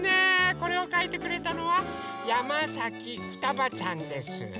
これをかいてくれたのはやまさきふたばちゃんです。